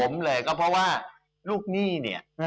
ผมเลยก็เพราะว่าลูกหนี้เนี่ย